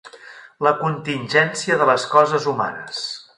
La contingència de les coses humanes.